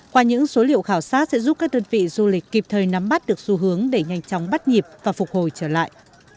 qua những số liệu khảo sát sẽ giúp các đơn vị du lịch kịp thời nắm bắt được xu hướng để nhanh chóng bắt nhịp và phục hồi trở lại